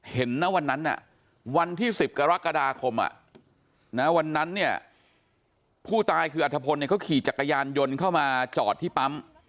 เห็นนะวันนั้นวันที่๑๐กรกฎาคมวันนั้นเนี่ยผู้ตายคืออัฐพลเขาขี่จักรยานยนต์เข้ามาจอดที่ปั๊ม